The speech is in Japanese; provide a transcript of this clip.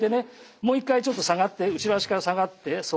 もう一回ちょっと下がって後ろ足から下がってそう。